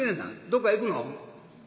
どっか行くの？」。